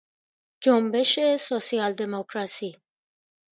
جنبش سوسیال دموکراسی